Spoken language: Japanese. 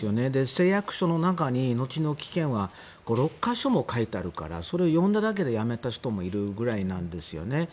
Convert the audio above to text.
誓約書の中に命の危険は５、６か所も書いてあるからそれを読んでやめた人もいるぐらいなんですね。